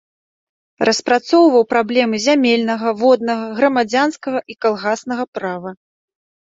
Распрацоўваў праблемы зямельнага, воднага, грамадзянскага і калгаснага права.